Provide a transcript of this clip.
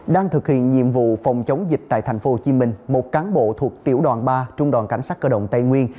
đang thực hiện nhiệm vụ phòng chống dịch tại tp hcm một cán bộ thuộc tiểu đoàn ba trung đoàn cảnh sát cơ động tây nguyên